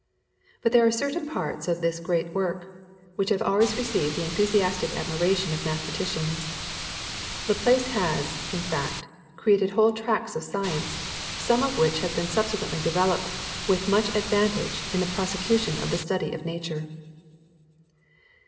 But there are certain parts of this great work which have always received the enthusiastic admiration of mathematicians. Laplace has, in fact, created whole tracts of science, some of which have been subsequently developed with much advantage in the prosecution of the study of Nature.